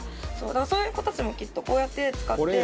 そういう子たちもきっとこうやって使ってこうやって。